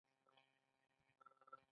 مفصلونه هډوکي سره نښلوي